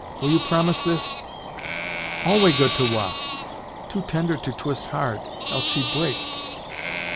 Will you promise this?" "Alway good to Wah! too tender to twist hard; else she break."